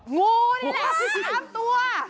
งูนี่แหละ๑๓ตัว